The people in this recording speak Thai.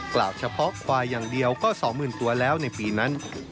กล่าวเฉพาะควายอย่างเดียวก็๒๐๐๐ตัวแล้วในปีนั้น